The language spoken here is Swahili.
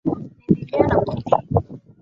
nikilia na kudhii